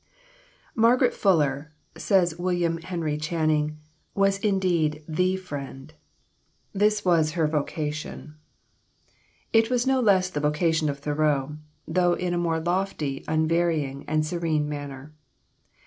"Margaret Fuller," says William Henry Channing, "was indeed The Friend; this was her vocation." It was no less the vocation of Thoreau, though in a more lofty, unvarying, and serene manner.